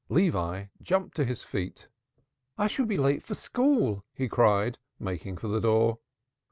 Levi jumped to his feet. "I shall be late for school!" he cried, making for the door.